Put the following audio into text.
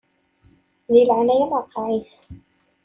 Di leɛnaya-m ṛeqqeɛ-it.